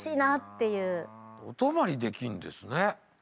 お泊まりできんですね。